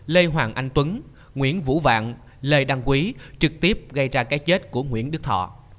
lê hoàng anh tuấn nguyễn vũ vạn lê đăng quý trực tiếp gây ra cái chết của nguyễn đức thọ